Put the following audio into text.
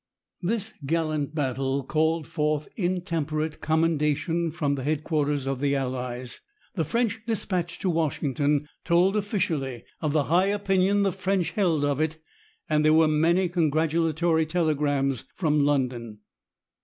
This gallant battle called forth intemperate commendation from the headquarters of the Allies. The French despatch to Washington told officially of the high opinion the French held of it, and there were many congratulatory telegrams from London.